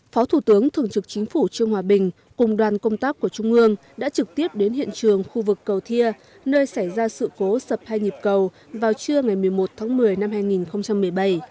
phó thủ tướng thường trực chính phủ trương hòa bình cùng đoàn công tác của trung ương đã trực tiếp đến hiện trường khu vực cầu thia nơi xảy ra sự cố sập hai nhịp cầu vào trưa ngày một mươi một tháng một mươi năm hai nghìn một mươi bảy